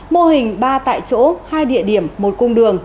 mô hình ba tại chỗ hai địa điểm một cung đường